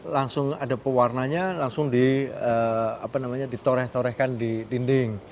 langsung ada pewarna nya langsung di apa namanya ditoreh torehkan di dinding